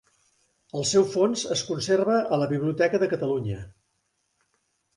El seu fons es conserva a la Biblioteca de Catalunya.